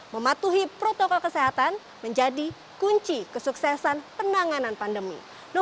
mematuhi protokol kesehatan menjadi kunci kesuksesan penanganan pandemi